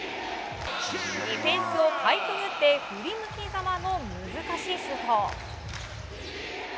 ディフェンスをかいくぐって振り向きざまの難しいシュート。